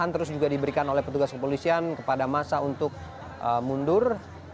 dan arahan juga diberikan oleh petugas kepolisian kepada masa untuk mundur